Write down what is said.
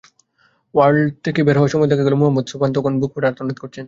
Word থেকে বের হওয়ার সময়ও দেখা গেল মোহাম্মদ সোবহান তখনো বুকফাটা আর্তনাদ করছেন।